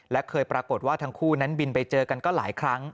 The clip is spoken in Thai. และเคยปรากฏว่าทั้งคู่นั้นบินไปเจอกันก็หลายครั้ง